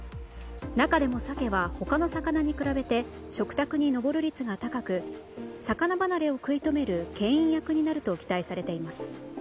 中でも、鮭は他の魚に比べて食卓に上る率が高く魚離れを食い止める、けん引役になると期待されています。